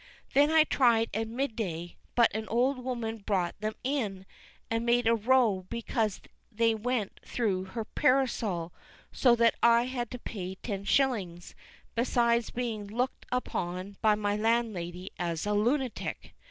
Then I tried it at midday; but an old woman brought them in, and made a row because they went through her parasol, so that I had to pay ten shillings, besides being looked upon by my landlady as a lunatic.